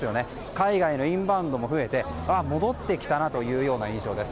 海外のインバウンドも増えてああ戻ってきたなという印象です。